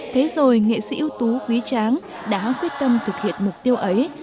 thế rồi nghệ sĩ ưu tú quý tráng đã quyết tâm thực hiện mục tiêu ấy